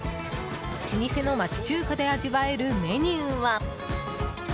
老舗の町中華で味わえるメニューは。